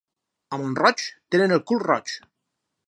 A Mont-roig tenen el cul roig.